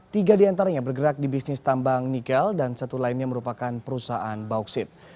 tiga diantaranya bergerak di bisnis tambang nikel dan satu lainnya merupakan perusahaan bauksit